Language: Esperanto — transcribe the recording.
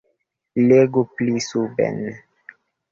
Legu pli suben.